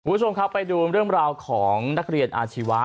คุณผู้ชมครับไปดูเรื่องราวของนักเรียนอาชีวะ